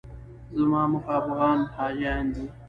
زما موخه افغان حاجیان دي.